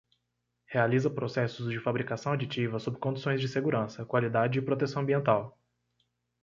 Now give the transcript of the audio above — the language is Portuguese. Realiza processos de fabricação aditiva sob condições de segurança, qualidade e proteção ambiental.